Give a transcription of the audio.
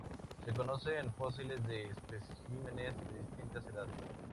Se conocen fósiles de especímenes de distintas edades.